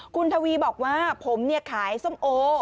คุณทวีบอกว่าผมขายส้มโอ